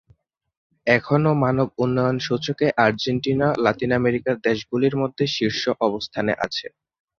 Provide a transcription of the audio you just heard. এখনও মানব উন্নয়ন সূচকে আর্জেন্টিনা লাতিন আমেরিকার দেশগুলির মধ্যে শীর্ষ অবস্থানে আছে।